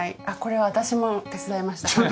あっこれは私も手伝いました。